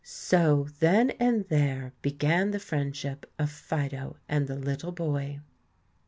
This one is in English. So then and there began the friendship of Fido and the little boy.